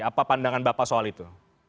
apa pandangan bapak soal itu